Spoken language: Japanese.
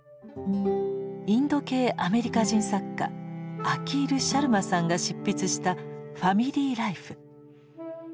インド系アメリカ人作家アキール・シャルマさんが執筆した「ファミリー・ライフ」。